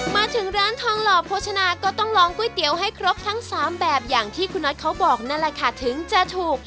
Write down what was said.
มาถึงร้านทองหล่อโภชนาก็ต้องลองก๋วยเตี๋ยวให้ครบทั้ง๓แบบอย่างที่คุณน็อตเขาบอกนั่นแหละค่ะถึงจะถูก